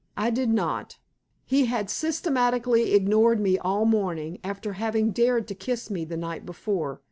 I did not; he had systematically ignored me all morning, after having dared to kiss me the night before.